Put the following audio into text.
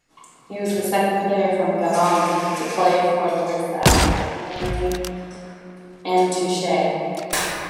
He was the second player from Gabon to play for Larissa after Henry Antchouet.